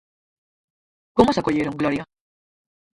Como as acolleron, Gloria?